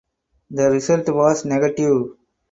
The result was negative.